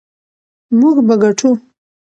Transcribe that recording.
موږ به ګټو.